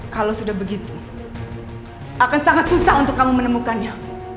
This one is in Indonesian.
kalau sudah begitu akan sangat susah untuk kamu menemukannya